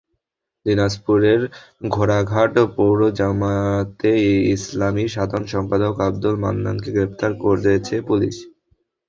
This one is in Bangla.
দিনাজপুরের ঘোড়াঘাট পৌর জামায়াতে ইসলামীর সাধারণ সম্পাদক আব্দুল মান্নানকে গ্রেপ্তার করেছে পুলিশ।